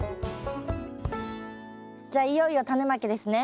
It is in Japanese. じゃあいよいよタネまきですね。